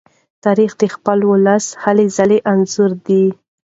تاریخ د خپل ولس د هلو ځلو انځور دی.